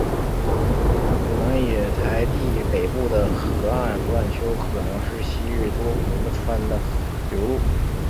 武藏野台地北部的河岸段丘可能是昔日多摩川的流路。